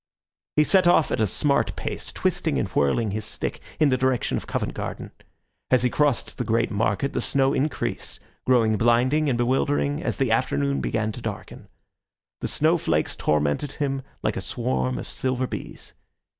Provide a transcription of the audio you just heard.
He set off at a smart pace, twisting and whirling his stick, in the direction of Covent Garden. As he crossed the great market the snow increased, growing blinding and bewildering as the afternoon began to darken. The snow flakes tormented him like a swarm of silver bees.